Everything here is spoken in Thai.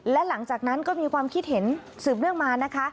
และหลังจากนั้นก็มีความคิดเห็นสืบเนื่องมานะคะ